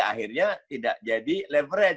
akhirnya tidak jadi leverage